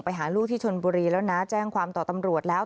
หาลูกที่ชนบุรีแล้วนะแจ้งความต่อตำรวจแล้ว